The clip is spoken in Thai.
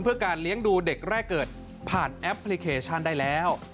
เพื่อการเลี้ยงดูเด็กแรกเกิดผ่านแอปพลิเคชันได้แล้ว